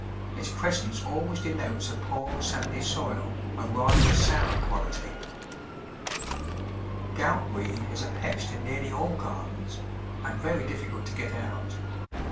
Its presence always denotes a poor, sandy soil of rather a sour quality. Goutweed is a pest in nearly all gardens, and very difficult to get out.